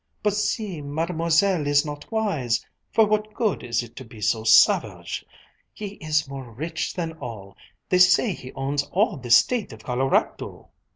"But see, Mademoiselle is not wise! For what good is it to be so savage! He is more rich than all! They say he owns all the State of Colorado!"